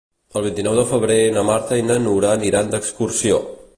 El vint-i-nou de febrer na Marta i na Nura aniran d'excursió.